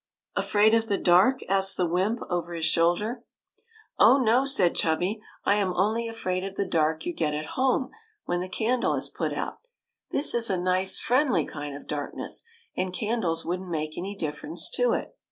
" Afraid of the dark ?" asked the wymp over his shoulder. WENT TO THE MOON 179 " Oh, no," said Chubby. " I am only afraid of the dark you get at home when the candle is put out. This is a nice, friendly kind of darkness, and candles would n't make any dif ference to it."